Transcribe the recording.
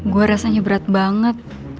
gue rasanya berat banget